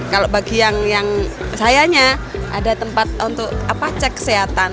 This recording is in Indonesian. kalau bagi yang sayanya ada tempat untuk cek kesehatan